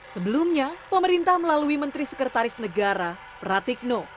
sebelumnya pemerintah melalui menteri sekretaris negara pratikno